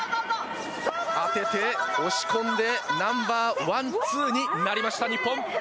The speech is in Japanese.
当てて押し込んでナンバーワン、ツーになりました日本。